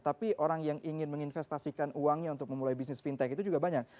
tapi orang yang ingin menginvestasikan uangnya untuk memulai bisnis fintech itu juga banyak